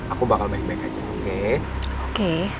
aku bakal baik baik aja oke